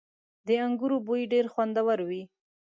• د انګورو بوی ډېر خوندور وي.